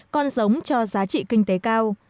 con sống cho giá trị kinh tế cao